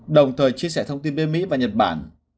đồng thời chia sẻ thông tin với mỹ và nhật bản